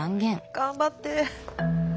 頑張って。